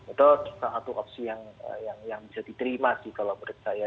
itu satu opsi yang bisa diterima sih kalau menurut saya